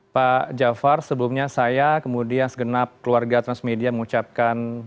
pak jafar sebelumnya saya kemudian segenap keluarga transmedia mengucapkan